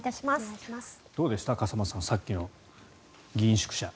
どうでした、笠松さんさっきの議員宿舎。